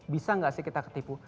bisa nggak sih kita ketipu